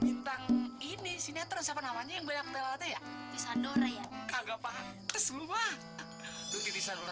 ini sinetron siapa namanya yang banyak ya